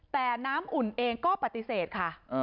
แต่น้ำอุ่นเองก็ปฏิเสธค่ะ